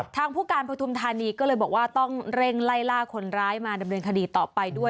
ทางผู้การปฐุมธานีก็เลยบอกว่าต้องเร่งไล่ล่าคนร้ายมาดำเนินคดีต่อไปด้วย